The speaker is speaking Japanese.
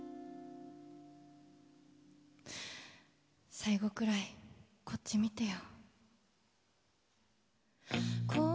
最後くらいこっち見てよ。